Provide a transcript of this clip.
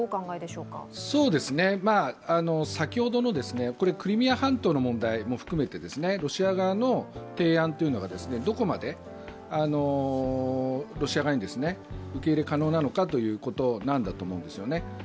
先ほどのクリミア半島の問題も含めてロシア側の提案がどこまでロシア側に受け入れ可能なのかということなんだと思うんですよね。